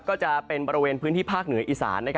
ก็จะเป็นบริเวณพื้นที่ภาคเหนืออีสาน